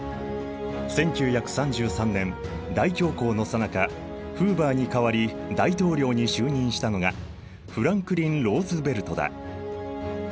１９３３年大恐慌のさなかフーヴァーに代わり大統領に就任したのがフランクリン・ローズヴェルトだ。